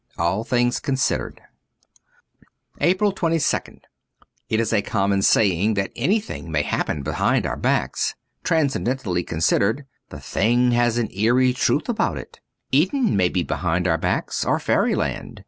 ' ^All Things Considered.^ 121 APRIL 22nd IT is a common saying that anything may happen behind our backs : transcen dentally considered, the thing has an eerie truth about it. Eden may be behind our backs, or Fairyland.